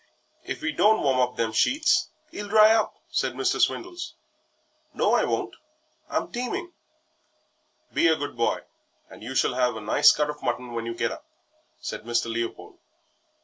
"If we don't warm up them sheets 'e'll dry up," said Mr. Swindles. "No, I won't; I'm teeming." "Be a good boy, and you shall have a nice cut of mutton when you get up," said Mr. Leopold.